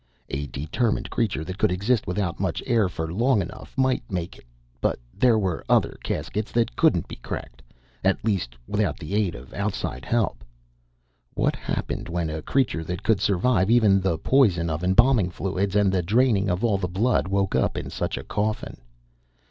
A determined creature that could exist without much air for long enough might make it. But there were other caskets that couldn't be cracked, at least without the aid of outside help. What happened when a creature that could survive even the poison of embalming fluids and the draining of all the blood woke up in such a coffin?